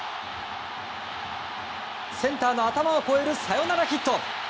センターの頭を越えるサヨナラヒット！